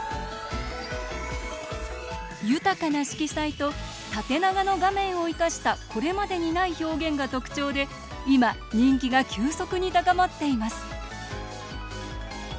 豊かな色彩と縦長の画面を生かしたこれまでにない表現が特徴で今、人気が急速に高まっています。